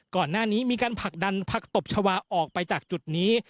ก่อนหน้านี้มีการผลักดันผักตบชาวาออกไปจากจุดนี้